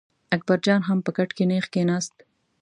اکبر جان هم په کټ کې نېغ کېناست.